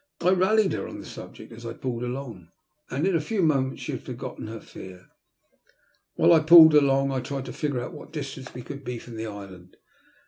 I rallied her on the subject as I pulled along, and in a few moments she had forgotten her fear. While I pulled along I tried to figure out what distance we could be from the island.